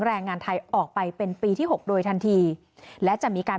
แรงงานไทยออกไปเป็นปีที่หกโดยทันทีและจะมีการ